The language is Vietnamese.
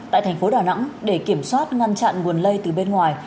tại thành phố đà nẵng để kiểm soát ngăn chặn nguồn lây từ bên ngoài